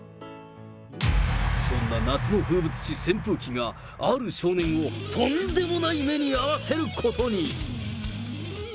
そんな夏の風物詩、扇風機が、ある少年をとんでもない目にあわせることに。